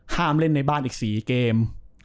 เล่นในบ้านอีก๔เกม